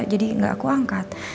jadi enggak aku angkat